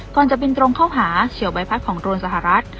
ก่อนจะบินตรงเข้าหาเฉียวใบพัดของโดรนสหรัฐ